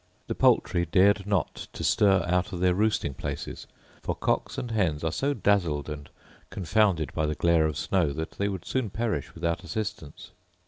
The poultry dared not to stir out of their roosting places; for cocks and hens are so dazzled and confounded by the glare of snow that they would soon perish without assistance.